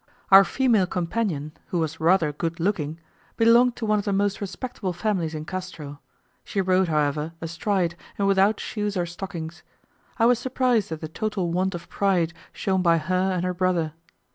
Our female companion, who was rather good looking, belonged to one of the most respectable families in Castro: she rode, however, astride, and without shoes or stockings. I was surprised at the total want of pride shown by her and her brother.